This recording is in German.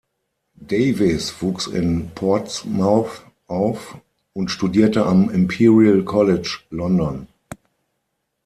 Davies wuchs in Portsmouth auf und studierte am Imperial College, London.